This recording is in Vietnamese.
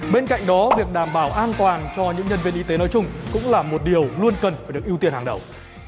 bên cạnh đó việc đảm bảo an toàn cho những nhân viên y tế nói chung cũng là một điều luôn cần phải được ưu tiên hàng đầu